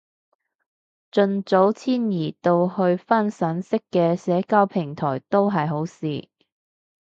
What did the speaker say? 盡早遷移到去分散式嘅社交平台都係好事